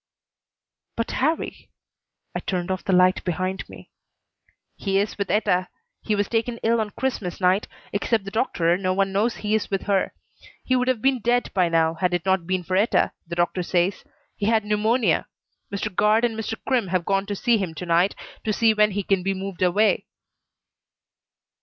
"But Harrie?" I turned off the light behind me. "He is with Etta. He was taken ill on Christmas night. Except the doctor, no one knows he is with her. He would have been dead by now had it not been for Etta, the doctor says. He had pneumonia. Mr. Guard and Mr. Crimm have gone to see him to night, to see when he can be moved away."